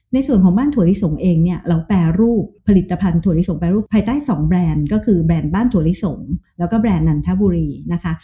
ในส่วนของบ้านถั่วลิสงเองเนี่ยเราแปรรูปผลิตภัณฑ์ถั่วลิสงแปรรูปภายใต้๒แบรนด์ก็คือแบรนด์บ้านถั่วลิสงแล้วก็แบรนด์นันทบุรีนะคะ